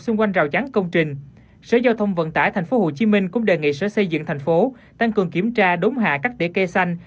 xung quanh rào chắn công trình